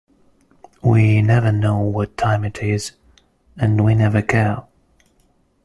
We never know what time it is, and we never care.